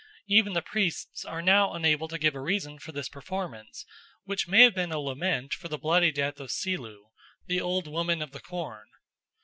Even the priests are now unable to give a reason for this performance, which may have been a lament for the bloody death of Selu," the Old Woman of the Corn.